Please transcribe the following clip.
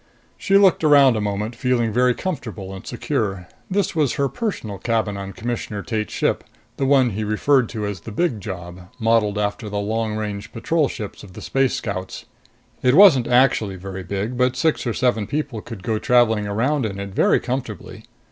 She looked around a moment, feeling very comfortable and secure. This was her personal cabin on Commissioner Tate's ship, the one he referred to as the Big Job, modeled after the long range patrol ships of the Space Scouts. It wasn't actually very big, but six or seven people could go traveling around in it very comfortably.